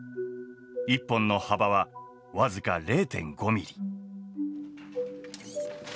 １本の幅は僅か０．５ミリ。